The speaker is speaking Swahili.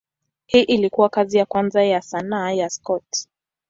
Hii ilikuwa kazi ya kwanza ya sanaa ya Scott.